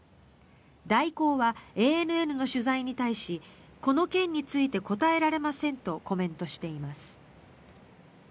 大光はＡＮＮの取材に対しこの件について答えられませんとコメントしています。